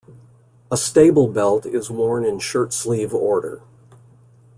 A stable belt is worn in shirt sleeve order.